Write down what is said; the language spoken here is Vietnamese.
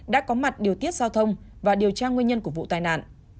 đã có mặt điều tiết giao thông và điều tra nguyên nhân của vụ tai nạn